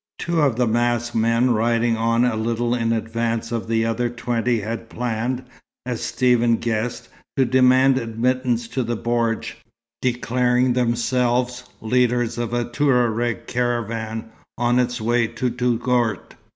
Two of the masked men riding on a little in advance of the other twenty had planned, as Stephen guessed, to demand admittance to the bordj, declaring themselves leaders of a Touareg caravan on its way to Touggourt.